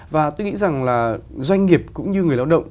và tôi nghĩ rằng là doanh nghiệp cũng như người lao động